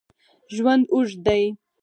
ژوند اوږد دی